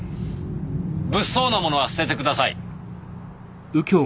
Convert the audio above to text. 物騒な物は捨ててください。